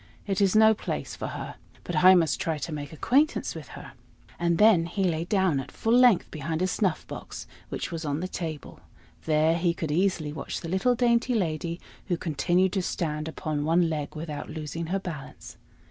It is no place for her. But I must try to make acquaintance with her." And then he lay down at full length behind a snuff box which was on the table; there he could easily watch the little dainty lady, who continued to stand upon one leg without losing her balance.